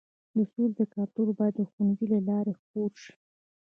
د سولې کلتور باید د ښوونځیو له لارې خپور شي.